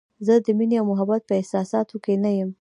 زه د مینې او محبت په احساساتو کې نه یم.